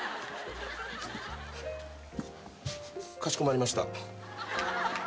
かしこまりました。